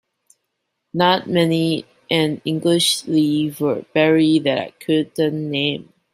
Not many an English leaf or berry that I couldn't name.